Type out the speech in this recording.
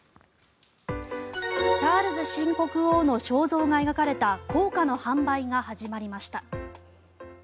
チャールズ新国王の肖像が描かれた硬貨の販売が始まりました。